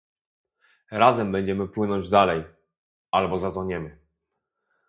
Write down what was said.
Razem będziemy płynąć dalej, albo zatoniemy